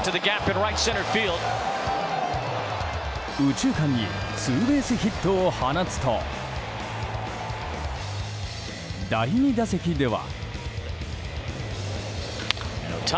右中間にツーベースヒットを放つと第２打席では。